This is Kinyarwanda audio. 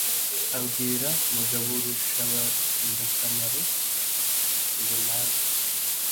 abwira mugaburushabandakamaro ngo naze.